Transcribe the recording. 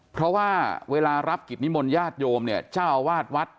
เพราะว่าเวลารับกิจนิมนต์ญาติโยมเนี่ยเจ้าอาวาสวัด